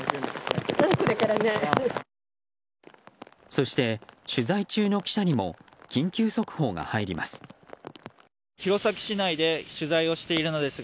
そして、取材中の記者にも緊急速報が入ります。